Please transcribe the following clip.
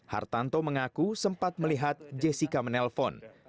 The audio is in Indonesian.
hartanto mengaku sempat melihat jessica menelpon